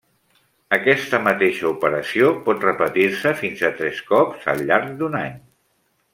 Aquesta mateixa operació pot repetir-se fins a tres cops al llarg d'un any.